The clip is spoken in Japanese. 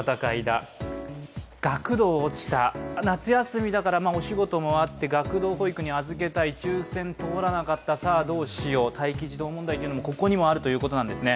夏休みだからお仕事もあって学童保育に預けたい、抽選通らなかったさあ、どうしよう待機児童問題も、ここにもあるということなんですね。